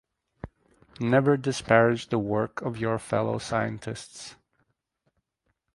Never disparage the work of your fellow scientists.